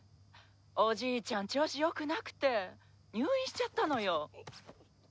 おじいちゃん調子よくなくて入院しちゃったのよ。